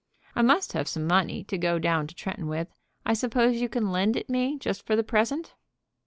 "I must have some money to go down to Tretton with; I suppose you can lend it me just for the present?"